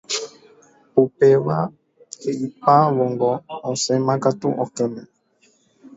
Upéva he'ipávongo osẽmakatu okẽme.